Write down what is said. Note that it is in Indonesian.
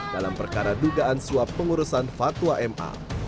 dalam perkara dugaan suap pengurusan fatwa ma